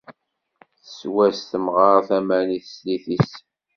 Tessew-as temɣart aman i teslit-is.